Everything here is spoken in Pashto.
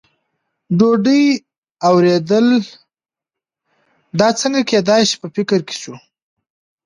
ډوډۍ او ورېدل، دا څنګه کېدای شي، په فکر کې شو.